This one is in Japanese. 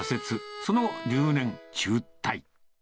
その後、留年、中退。